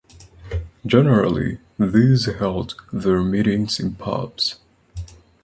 Generally these held their meetings in pubs.